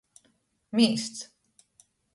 Mīsts.